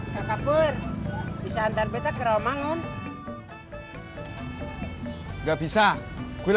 kekapur minta tolong jual